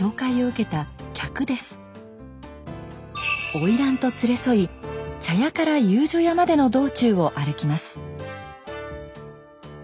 花魁と連れ添い茶屋から遊女屋までの道中を歩きます。